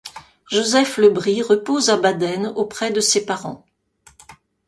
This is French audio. Joseph Le Brix repose à Baden, auprès de ses parents.